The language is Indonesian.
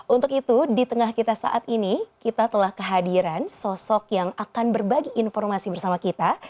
untuk itu di tengah kita saat ini kita telah kehadiran sosok yang akan berbagi informasi bersama kita